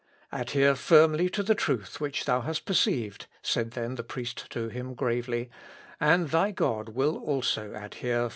" "Adhere firmly to the truth which thou hast perceived," said then the priest to him gravely, "and thy God will also adhere firmly to thee."